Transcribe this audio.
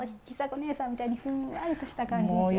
尚子ねえさんみたいにふんわりとした感じに仕上げて。